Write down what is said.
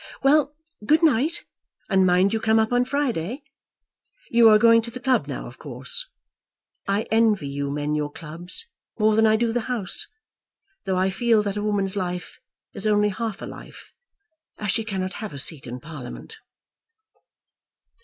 Well; good night; and mind you come up on Friday. You are going to the club, now, of course. I envy you men your clubs more than I do the House; though I feel that a woman's life is only half a life, as she cannot have a seat in Parliament."